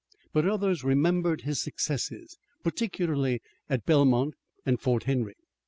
But others remembered his successes, particularly at Belmont and Fort Henry.